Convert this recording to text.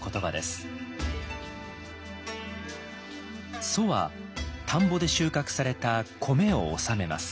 「租」は田んぼで収穫された米を納めます。